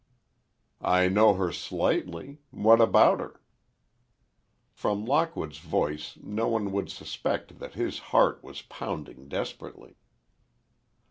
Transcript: "I know her slightly. What about her?" From Lockwood's voice no one would suspect that his heart was pounding desperately.